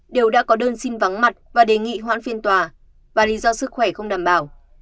đều đã có đơn xin vắng mặt và đề nghị hoãn phiên tòa và lý do sức khỏe không đảm bảo